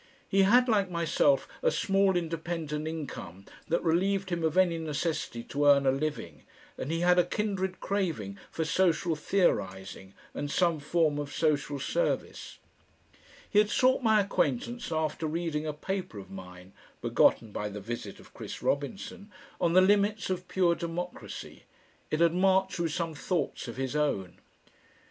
He had, like myself, a small independent income that relieved him of any necessity to earn a living, and he had a kindred craving for social theorising and some form of social service. He had sought my acquaintance after reading a paper of mine (begotten by the visit of Chris Robinson) on the limits of pure democracy. It had marched with some thoughts of his own.